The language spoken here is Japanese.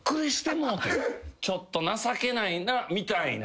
ちょっと情けないなみたいな。